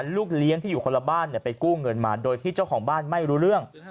ลูกเลี้ยงที่อยู่คนละบ้านไปกู้เงินมาโดยที่เจ้าของบ้านไม่รู้เรื่อง